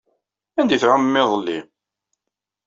Anda ay tɛumem iḍelli?